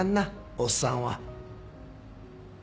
おっさんは。